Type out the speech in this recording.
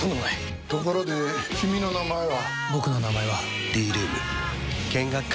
ところで君の名前は？